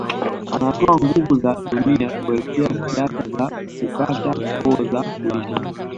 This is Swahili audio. Anatoa nguvu za dunia kuelekea siasa za kukata koo za kuishi